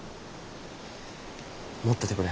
持っててくれ。